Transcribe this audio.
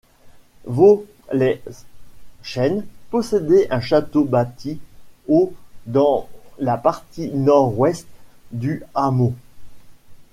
Vaux-lez-Chêne possédait un château bâti au dans la partie nord-ouest du hameau.